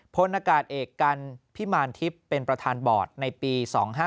พลอากาศเอกกันพิมารทิพย์เป็นประธานบอร์ดในปี๒๕๕๙